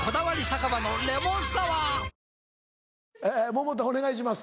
百田お願いします。